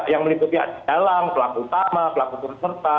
yang meliputi adik dalam pelaku utama pelaku terserta